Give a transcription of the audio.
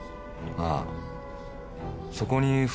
ああ。